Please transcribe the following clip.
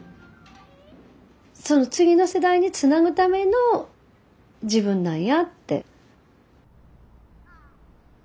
その次の世代につなぐための自分なんやって。